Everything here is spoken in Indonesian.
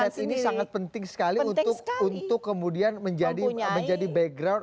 aset ini sangat penting sekali untuk kemudian menjadi background